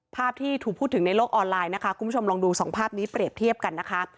ภาพที่ถูกพูดถึงในโลกออนไลน์นะคะคุณผู้ชมลองดูสองภาพนี้เปรียบเทียบกันนะคะ